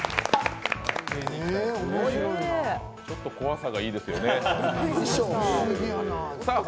ちょっと怖さがいいですよね。